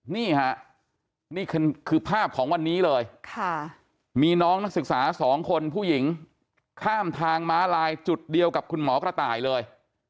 นี่ค่ะนี่คือภาพของวันนี้เลยมีน้องนักศึกษา๒คนผู้หญิงข้ามทางม้าลายจุดเดียวกับคุณหมอกระต่ายเลย